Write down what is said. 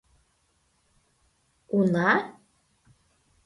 — Уна?